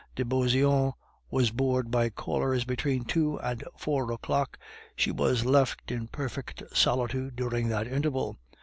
de Beauseant was bored by callers between two and four o'clock, she was left in perfect solitude during that interval.